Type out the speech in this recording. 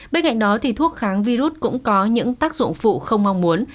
bên cạnh đó thì thuốc kháng virus cũng có những tác dụng phụ không mong muốn